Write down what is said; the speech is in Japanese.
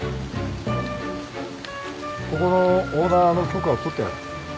ここのオーナーの許可は取ってある。